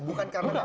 bukan karena memang